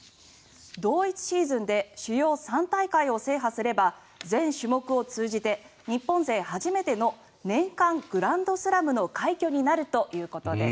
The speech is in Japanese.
同一シーズンで主要３大会を制覇すれば全種目を通じて日本勢初めての年間グランドスラムの快挙になるということです。